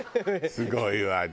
すごいわね。